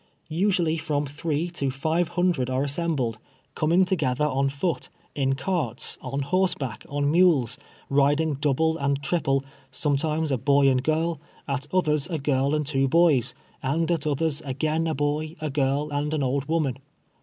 Usually from three to five hundred are assembled, coming together on foot, in carts, on horseback, on mules, riding double and triple, sometimes a boy and girl, at others a girl and two boys, and at others again a l)oy, a girl and an I '1(1 woman.